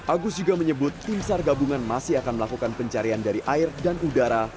agus juga menyebut tim sar gabungan masih akan melakukan pencarian dari air dan udara